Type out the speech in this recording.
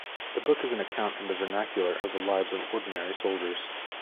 The book is an account in the vernacular of the lives of ordinary soldiers.